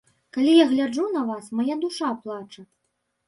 Калі я гляджу на вас, мая душа плача.